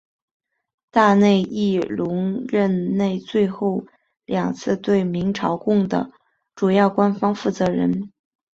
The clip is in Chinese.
大内义隆任内最后两次对明朝贡的主要官方负责人。